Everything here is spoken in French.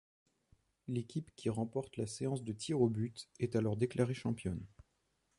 L'équipe qui remporte la séance de tirs au but est alors déclarée championne.